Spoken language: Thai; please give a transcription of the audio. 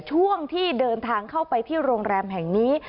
ช่วงที่เดินทางเข้าไปที่โรงแรมแห่งนี้